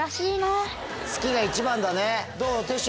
好きが一番だねどう？